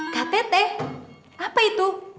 ktt apa itu